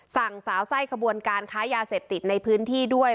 สาวไส้ขบวนการค้ายาเสพติดในพื้นที่ด้วย